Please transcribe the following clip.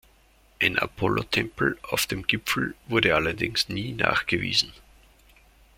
Ein Apollo-Tempel auf dem Gipfel wurde allerdings nie nachgewiesen.